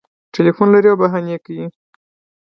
ټلیفون لري او بهانې کوي